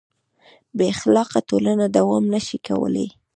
بېاخلاقه ټولنه دوام نهشي کولی.